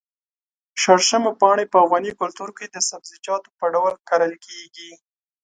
شړشمو پاڼې په افغاني کلتور کې د سبزيجاتو په ډول کرل کېږي.